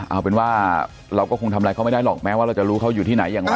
เอาเป็นว่าเราก็คงทำอะไรเขาไม่ได้หรอกแม้ว่าเราจะรู้เขาอยู่ที่ไหนอย่างไร